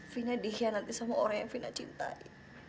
vina dikhianati sama orang yang vina cintai